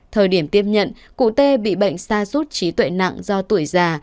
thời điểm tiếp nhận cụ t bị bệnh sa rút trí tuệ nặng do tuổi già